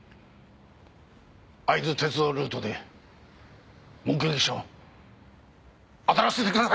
会津鉄道ルートで目撃者を当たらせてください！